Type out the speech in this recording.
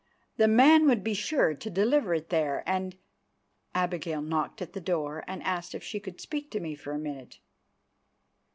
"The man would be sure to deliver it there, and——" Abigail knocked at the door and asked if she could speak to me for a minute.